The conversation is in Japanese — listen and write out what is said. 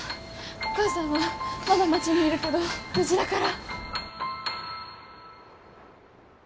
お母さんはまだ町にいるけど無事だから。